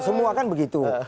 semua kan begitu